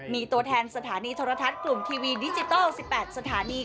มีตัวแทนสถานีโทรทัศน์กลุ่มทีวีดิจิทัล๑๘สถานี